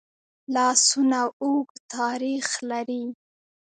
لاسونه اوږد تاریخ لري